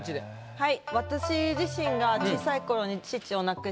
はい。